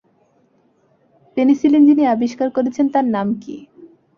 Penicillin যিনি আবিষ্কার করেছেন, তাঁর নাম কি?